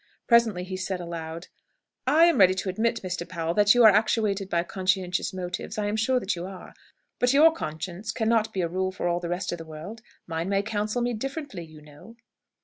Presently, he said aloud, "I am ready to admit, Mr. Powell, that you are actuated by conscientious motives; I am sure that you are. But your conscience cannot be a rule for all the rest of the world. Mine may counsel me differently, you know."